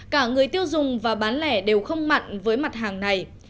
cả người tiêu dùng và bán lẻ đều không mặn với mặt hàng này